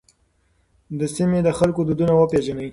د سیمې د خلکو دودونه وپېژنئ.